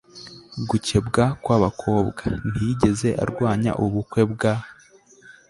gukebwa kw'abakobwa. ntiyigeze arwanya ubukwe bwa